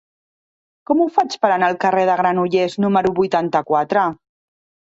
Com ho faig per anar al carrer de Granollers número vuitanta-quatre?